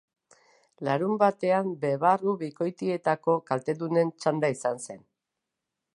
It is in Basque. Larunbatean bebarru bikoitietako kaltedunen txanda izan zen.